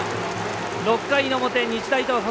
６回の表、日大東北。